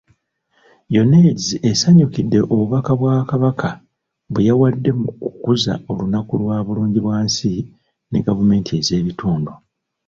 UNAIDS esanyukidde obubaka bwa Kabaka bwe yawadde mu kukuza olunaku lwa Bulungibwansi ne Gavumenti ez'ebitundu